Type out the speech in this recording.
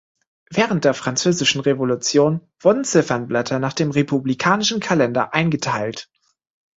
Während der französischen Revolution wurden Zifferblätter nach dem republikanischen Kalender eingeteilt.